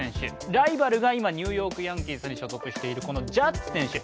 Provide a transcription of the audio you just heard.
ライバルが今、ニューヨーク・ヤンキースに所属しているジャッジ選手